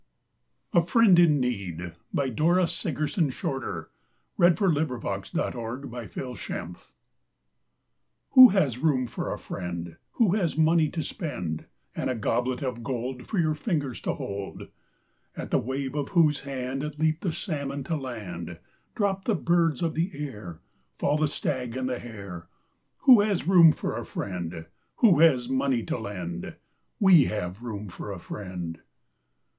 The painted lips they smiled at me— "O guard my love, where'er he be." A FRIEND IN NEED Who has room for a friend Who has money to spend, And a goblet of gold For your fingers to hold, At the wave of whose hand Leap the salmon to land, Drop the birds of the air, Fall the stag and the hare. Who has room for a friend Who has money to lend? We have room for a friend!